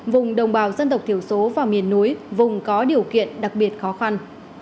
vùng đồng bào dân tộc thiểu số và miền núi vùng có điều kiện đặc biệt khó khăn